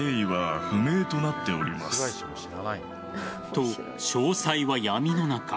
と、詳細は闇の中。